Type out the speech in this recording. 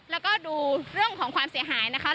แล้วก็ดูเรื่องของความเสียหายนะคะ